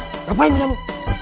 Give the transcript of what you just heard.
ngapain ini abu